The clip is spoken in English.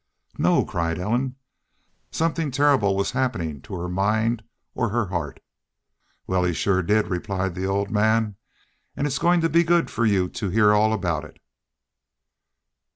"No!" cried Ellen. Something terrible was happening to her mind or her heart. "Wal, he sure did," replied the old man, "an' it's goin' to be good fer you to hear all about it."